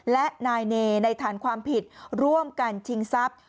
และนายเนในฐานความผิดร่วมกันชิงทรัพย์